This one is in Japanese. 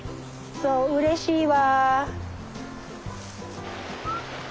そううれしいわ。